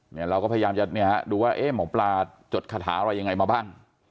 เราก็พยายามจะเนี่ยฮะดูว่าเอ๊ะหมอปลาจดคาถาอะไรยังไงมาบ้าง